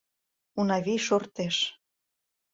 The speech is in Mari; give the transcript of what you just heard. — Унавий шортеш.